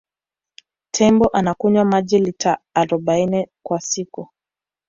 tembo anakunywa maji lita arobaini kwa siku